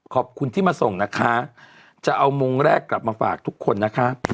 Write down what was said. ขอบคุณที่มาส่งนะคะจะเอามงแรกกลับมาฝากทุกคนนะคะ